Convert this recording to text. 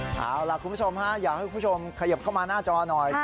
เอาล่ะคุณผู้ชมฮะอยากให้คุณผู้ชมขยิบเข้ามาหน้าจอหน่อย